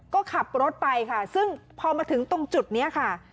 ก็ขับรถไปค่ะซึ่งพอมาถึงตรงจุดนี้ค่ะ